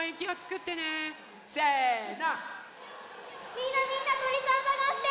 みんなみんなとりさんさがして！